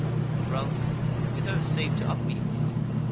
said Ralph: "Wither, save to Upmeads?"